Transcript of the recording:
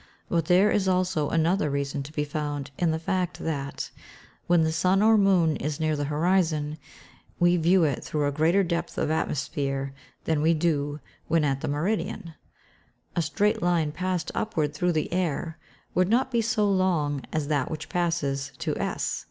But there is also another reason to be found in the fact that, when the sun or moon is near the horizon, we view it through a greater depth of atmosphere than we do when at the meridian. (See Fig. 13.) A straight line passed upward through the air, would not be so long as that which passes to S.